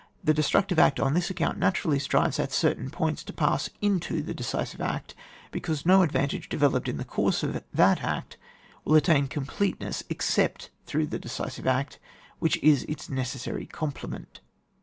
The destructive act on this ac count naturally strives at certain points to pass into the decisive act, because no advantage developed in the course of that act will attain completeness except through the decisive act, which is its necessary complement.